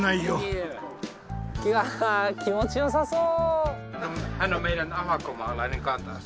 気持ちよさそう。